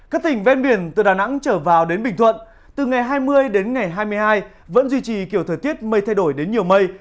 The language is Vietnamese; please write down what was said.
các tỉnh ven biển từ đà nẵng trở vào đến bình thuận từ ngày hai mươi đến ngày hai mươi hai vẫn duy trì kiểu thời tiết mây thay đổi đến nhiều mây